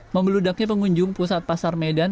membeludaknya pengunjung pusat pasar medan